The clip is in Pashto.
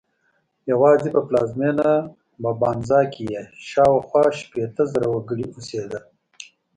یوازې په پلازمېنه مبانزا کې یې شاوخوا شپېته زره وګړي اوسېدل.